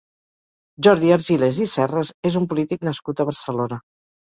Jordi Argilés i Serres és un polític nascut a Barcelona.